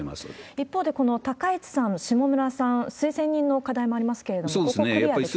一方で、この高市さん、下村さん、推薦人の課題もありますけれども、ここはクリアにしたいですか？